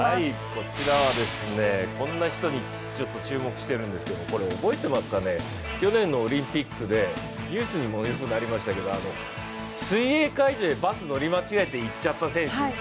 こちらはこんな人に注目しているんですけれども、覚えてますかね、去年のオリンピックで話題になりましたけど水泳会場でバス乗り換えて行っちゃったんで。